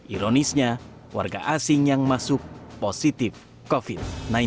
ironisnya warga asing yang masuk positif covid sembilan belas